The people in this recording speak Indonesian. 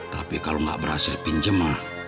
tapi kalau gak berasik pinjam mah